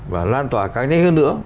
và lan tỏa càng nhanh hơn nữa